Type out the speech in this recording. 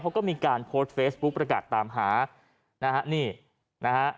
เขาก็มีการโพสต์เฟซบุ๊คประกาศตามหานะฮะนี่นะฮะ